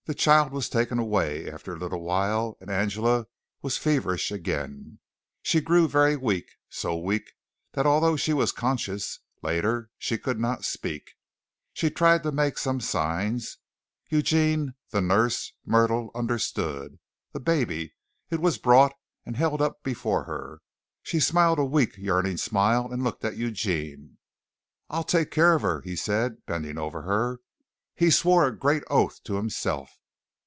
The child was taken away after a little while and Angela was feverish again. She grew very weak, so weak that although she was conscious later, she could not speak. She tried to make some signs. Eugene, the nurse, Myrtle, understood. The baby. It was brought and held up before her. She smiled a weak, yearning smile and looked at Eugene. "I'll take care of her," he said, bending over her. He swore a great oath to himself.